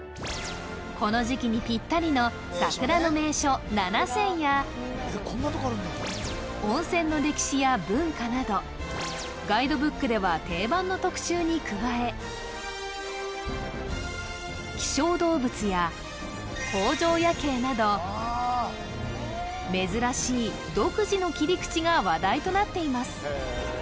この時季にピッタリの桜の名所７選や温泉の歴史や文化などガイドブックでは定番の特集に加え希少動物や工場夜景など珍しい独自の切り口が話題となっています